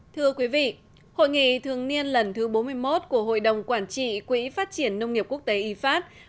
thưa quý vị hội nghị thương niên lần thứ bốn mươi một của hội đồng quản trị quỹ phát triển nông nghiệp quốc tế y phát